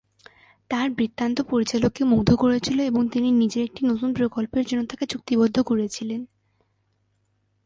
তাঁর বৃত্তান্ত পরিচালককে মুগ্ধ করেছিল এবং তিনি নিজের একটি নতুন প্রকল্পের জন্য তাঁকে চুক্তিবদ্ধ করেছিলেন।